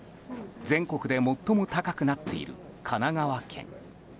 全国で最も高くなっている神奈川県。